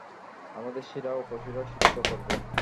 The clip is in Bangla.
আমাদের শিরা উপশিরা সিক্ত করব।